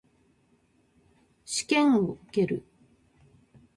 試験を受ける。